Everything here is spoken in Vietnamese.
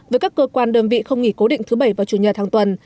với các cơ quan đơn vị không nghỉ cố định thứ bảy và chủ nhật hàng tuần